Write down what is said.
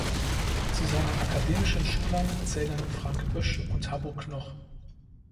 Zu seinen akademischen Schülern zählen Frank Bösch und Habbo Knoch.